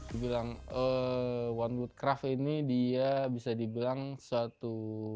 dibilang one woodcraft ini dia bisa dibilang suatu